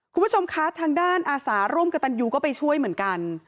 คุณผู้ชมคะทางด้านอาสาร่วมกับตันยูก็ไปช่วยเหมือนกัน